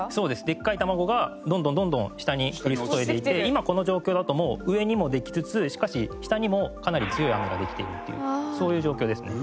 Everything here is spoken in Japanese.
でっかいたまごがどんどんどんどん下に降り注いでいて今この状況だともう上にもできつつしかし下にもかなり強い雨ができてるっていうそういう状況ですね。